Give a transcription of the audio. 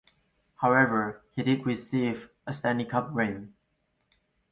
However, he did receive a Stanley Cup ring.